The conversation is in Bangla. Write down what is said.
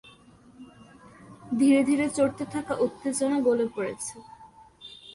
ধীরে ধীরে চড়তে থাকা উত্তেজনা গলে পড়েছে।